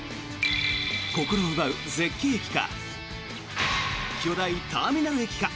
心を奪う絶景駅か巨大ターミナル駅か。